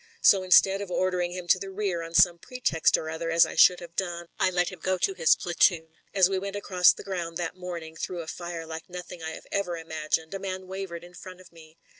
So instead of order ing him to the rear on some pretext or other as I should have done, I let him go to his platoon. "As we went across the ground that morning through a fire like nothing I had ever imagined, a man wavered in front of me.